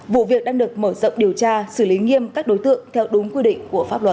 vụ việc đang được mở rộng điều tra xử lý nghiêm các đối tượng theo đúng quy định của pháp luật